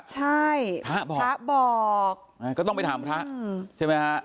ใช่พระบอกพระบอกก็ต้องไปถามพระใช่ไหมฮะ